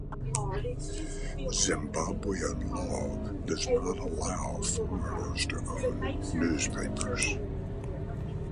Zimbabwean law does not allow foreigners to own newspapers.